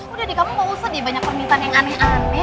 udah deh kamu gak usah deh banyak permintaan yang aneh aneh